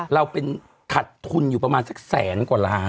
เราเป็นขัดทุนอยู่ประมาณสักแสนกว่าล้าน